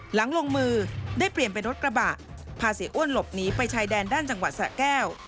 หลังลงมือได้เปลี่ยนเป็นรถกระบะพาเสียอ้วนหลบหนีไปชายแดนด้านจังหวัดสะแก้ว